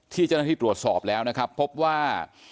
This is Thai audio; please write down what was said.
เจ้าหน้าที่ตรวจสอบแล้วนะครับพบว่า